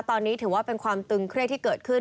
ตอนนี้ถือว่าเป็นความตึงเครียดที่เกิดขึ้น